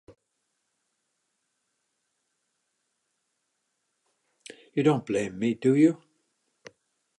You don't blame me, do you?